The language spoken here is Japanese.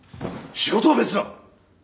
仕事は別だ。